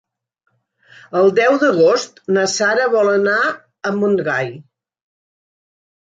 El deu d'agost na Sara vol anar a Montgai.